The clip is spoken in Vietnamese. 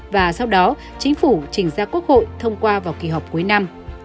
và sau đó chính phủ trình ra quốc hội thông qua vào kỳ họp cuối năm